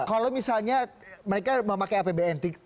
kalau misalnya mereka memakai apbn